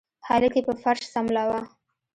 هلک يې په فرش سملوه.